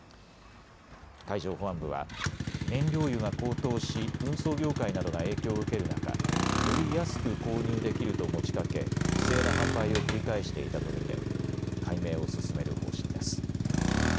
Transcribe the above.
海上保安部は燃料油が高騰し運送業界などが影響を受ける中、より安く購入できると持ちかけ不正な販売を繰り返していたと見て解明を進める方針です。